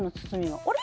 「あれ？」